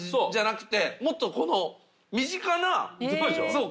そう。